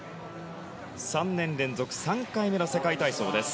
３年連続３回目の世界体操です。